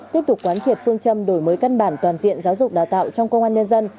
tiếp tục quán triệt phương châm đổi mới căn bản toàn diện giáo dục đào tạo trong công an nhân dân